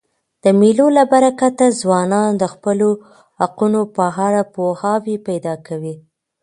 د مېلو له برکته ځوانان د خپلو حقونو په اړه پوهاوی پیدا کوي.